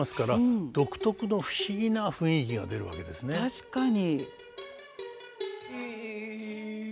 確かに。